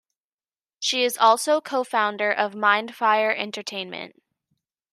She is also co-founder of Mindfire Entertainment.